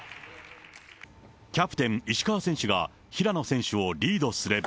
キャプテン、石川選手が平野選手をリードすれば。